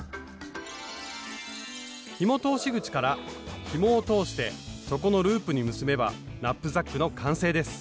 ひも通し口からひもを通して底のループに結べばナップザックの完成です。